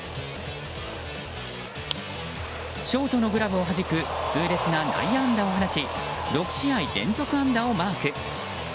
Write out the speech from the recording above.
ショートのグラブをはじく痛烈な内野安打を放ち６試合連続安打をマーク。